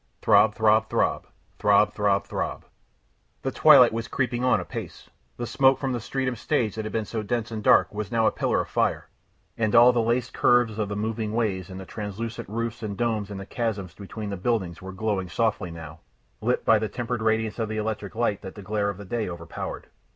Throb throb throb, throb throb throb. The twilight was creeping on apace, the smoke from the Streatham stage that had been so dense and dark, was now a pillar of fire, and all the laced curves of the moving ways and the translucent roofs and domes and the chasms between the buildings were glowing softly now, lit by the tempered radiance of the electric light that the glare of the day overpowered.